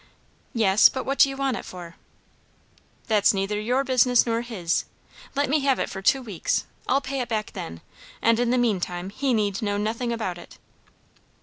"Yes, but what do you want it for?" "That's neither your business nor his; let me have it for two weeks, I'll pay it back then, and in the meantime he need know nothing about it."